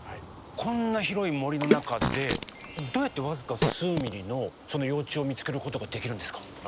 こんな広い森の中でどうやって僅か数ミリのその幼虫を見つけることができるんですか？